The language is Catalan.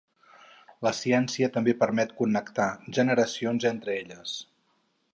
La ciència també permet connectar generacions entre elles.